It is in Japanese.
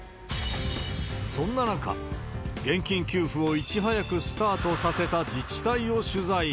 そんな中、現金給付をいち早くスタートさせた自治体を取材。